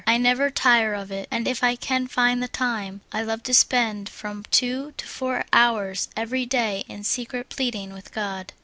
I never tire of it ; and if I can find the time, I love to spend from two to four hours ever}^ da}^ in secret pleading with God.